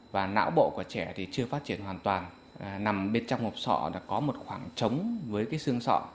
và não bộ của trẻ thì chưa phát triển hoàn toàn nằm bên trong hộp sọ là có một khoảng trống với cái xương sọ